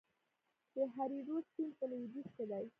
د هریرود سیند په لویدیځ کې دی